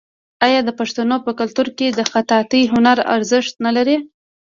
آیا د پښتنو په کلتور کې د خطاطۍ هنر ارزښت نلري؟